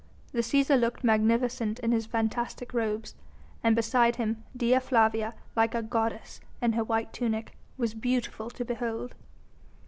The Cæsar looked magnificent in his fantastic robes, and beside him Dea Flavia like a goddess in her white tunic was beautiful to behold.